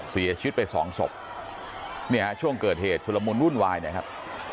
เสียชีวิตไปสองศพเนี่ยช่วงเกิดเหตุชุลมุนวุ่นวายนะครับ